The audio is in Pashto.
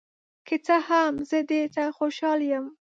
که څه هم، زه دې ته خوشحال یم.